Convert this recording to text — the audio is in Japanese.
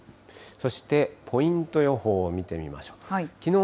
そしてポイント予報を見てみましょう。